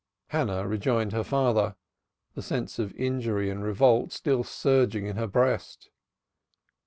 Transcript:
"_ Hannah rejoined her father, the sense of injury and revolt still surging in her breast.